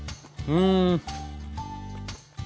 うん。